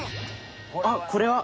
あっこれは。